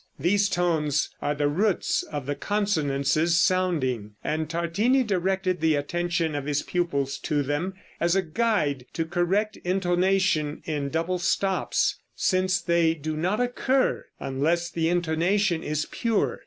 These tones are the roots of the consonances sounding, and Tartini directed the attention of his pupils to them as a guide to correct intonation in double stops, since they do not occur unless the intonation is pure.